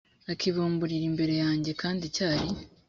akibumburira imbere yanjye kandi cyari